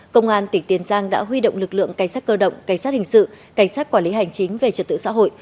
công an tỉnh tiền giang đã huy động lực lượng cảnh sát cơ động cảnh sát hình sự cảnh sát quản lý hành chính về trật tự xã hội